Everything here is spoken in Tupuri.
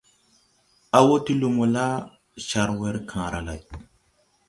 A wɔ ti lumo la, car wer kããra lay.